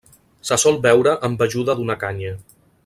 Se sol beure amb ajuda d'una canya.